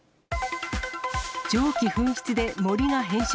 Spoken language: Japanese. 蒸気噴出で森が変色。